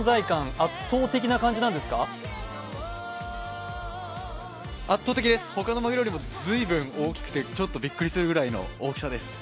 圧倒的です、ほかのマグロよりも随分大きくてちょっとびっくりするぐらいの大きさです。